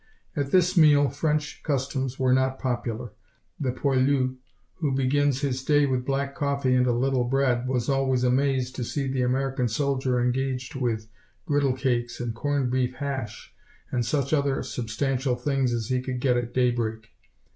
At this meal French customs were not popular. The poilu, who begins his day with black coffee and a little bread, was always amazed to see the American soldier engaged with griddle cakes and corned beef hash, and such other substantial things as he could get at daybreak.